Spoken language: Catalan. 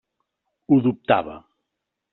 Ho dubtava.